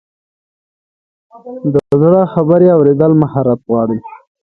د زړه خبرې اورېدل مهارت غواړي.